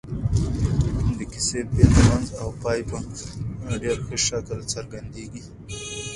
د کيسې پيل منځ او پای په ډېر ښه شکل څرګندېږي.